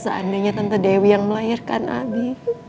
seandainya tante dewi yang melahirkan nabi